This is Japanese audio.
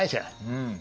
うん。